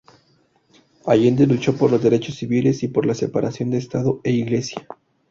Allende "luchó por los derechos civiles y por la separación de Estado e Iglesia.